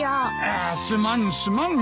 ああすまんすまん。